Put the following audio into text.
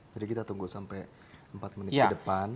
jadi kita tunggu sampai empat menit di depan